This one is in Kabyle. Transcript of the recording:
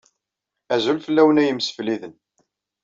Azul fell-awen, ay imsefliden.